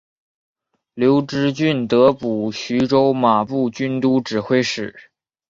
刘知俊得补徐州马步军都指挥使。